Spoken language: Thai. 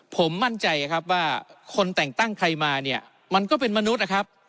ผมมั่นใจว่าคนแต่งตั้งใครมามันก็เป็นมนุษย์